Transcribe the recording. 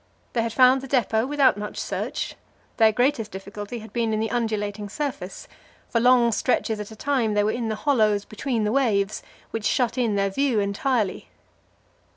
They had found the depot without much search. Their greatest difficulty had been in the undulating surface; for long stretches at a time they were in the hollows between the waves, which shut in their view entirely.